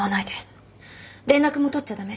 連絡も取っちゃ駄目。